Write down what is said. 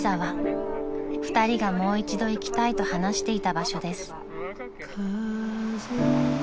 ［２人がもう一度行きたいと話していた場所です］